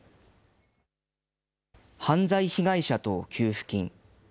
犯罪被害者等給付金。